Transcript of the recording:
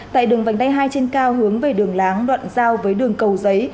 tại đường vành đai hai trên cao hướng về đường láng đoạn giao với đường cầu giấy